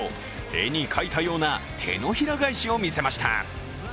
絵に描いたような手のひら返しを見せました。